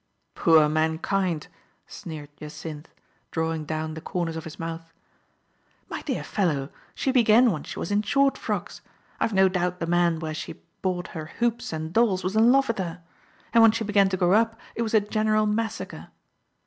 " Poor mankind !" sneered Jacynth, drawing down the corners of his mouth. " My dear fellow, she began when she was in short frocks. I've no doubt the man where she bought her hoops and dolls was in love with her. And when she began to grow up it was a general massacre."